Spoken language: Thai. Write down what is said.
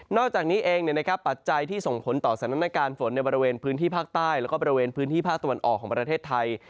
อกจากนี้เองปัจจัยที่ส่งผลต่อสถานการณ์ฝนในบริเวณพื้นที่ภาคใต้แล้วก็บริเวณพื้นที่ภาคตะวันออกของประเทศไทย